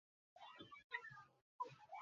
বিশেষ কোনো কাজ আছে?